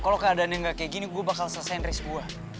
kalau keadaannya gak kayak gini gue bakal selesain race gue